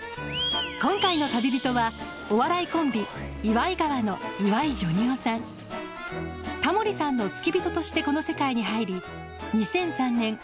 今回の旅人はお笑いコンビイワイガワのタモリさんの付き人としてこの世界に入り２００３年